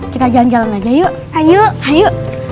kita jangan jalan aja yuk ayo ayo